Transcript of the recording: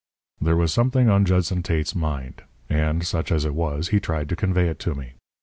There was something on Judson Tate's mind, and, such as it was, he tried to convey it to me.